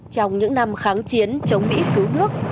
trong những năm kháng chiến chống mỹ cứu nước